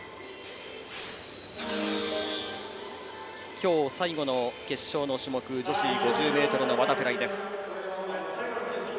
今日最後の決勝種目女子５０ｍバタフライです。